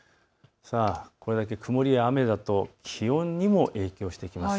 これだけ曇りや雨だと気温にも影響してきます。